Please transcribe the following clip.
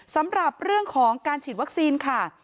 สำหรับเรื่องของการฉีดวัคซีนค่ะ